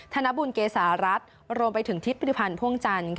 ธนบุญเกษารัฐรวมไปถึงทิศปริพันธ์พ่วงจันทร์